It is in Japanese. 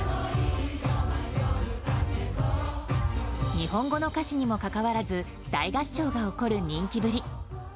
日本語の歌詞にもかかわらず大合唱が起こる人気ぶり。